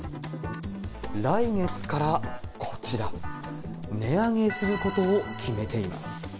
来月からこちら、値上げすることを決めています。